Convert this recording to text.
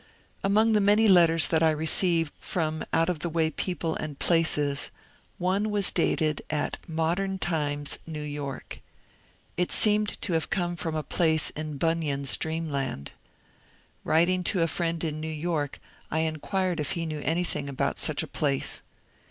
Among the many letters that I received from out of the way people and places, one was dated at ^^ Modem Times, N. Y." It seemed to have come from some place in Bunyan's dreamland. Writing to a friend in New York, I inquired if he knew anything about such a place.